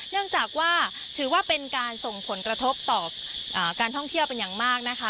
เนื่องจากว่าถือว่าเป็นการส่งผลกระทบต่อการท่องเที่ยวเป็นอย่างมากนะคะ